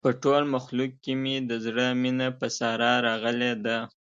په ټول مخلوق کې مې د زړه مینه په ساره راغلې ده.